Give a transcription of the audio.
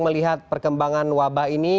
melihat perkembangan wabah ini